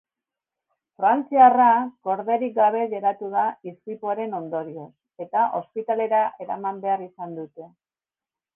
Frantziarra korderik gabe geratu da istripuaren ondorioz eta ospitalera eraman behar izan dute.